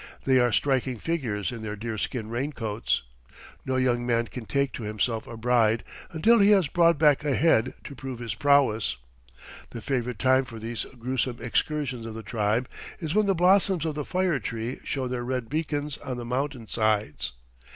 They are striking figures in their deerskin rain coats. No young man can take to himself a bride until he has brought back a head to prove his prowess. The favourite time for these gruesome excursions of the tribe is when the blossoms of the fire tree show their red beacons on the mountain sides.